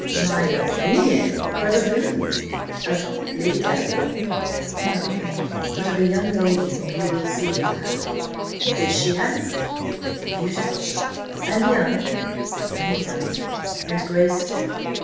"My opinion! but of whom? Of Lady Delacour?" "No; but of a young lady whom you will see with her." "Is she handsome?" "Beautiful!" "And young?" "And young." "And graceful?"